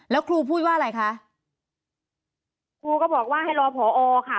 แล้วครูพูดว่าอะไรคะครูก็บอกว่าให้รอผอค่ะ